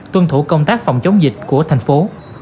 tuân thủ công tác phòng chống dịch của thành phố